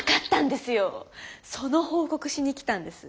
その報告しに来たんです。